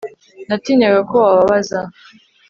Natinyaga ko wababaza